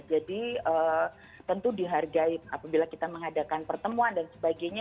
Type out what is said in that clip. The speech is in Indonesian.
jadi tentu dihargai apabila kita mengadakan pertemuan dan sebagainya